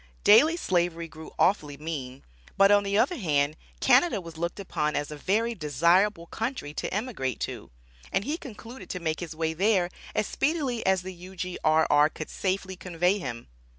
Daily slavery grew awfully mean, but on the other hand, Canada was looked upon as a very desirable country to emigrate to, and he concluded to make his way there, as speedily as the U.G.R.R. could safely convey him.